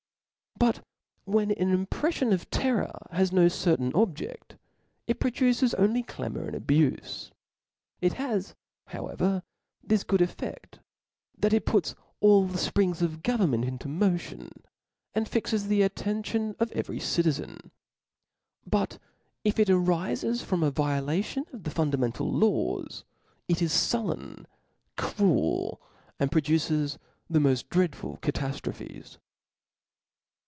But when an imprefCon of terror has^no certain objed, it produces only clamour and abufe ; it has however this good elFedV, that it puts all the fprings of government into motion, and fixes the attention of every citizen. But if it ariles from a violation of the fundamental law.s it is fullen, cruel, and pro duces the moil dreadful cataftrophes.